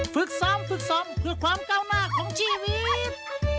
ฝึกซ้อมคือความก้าวหน้าของชีวิต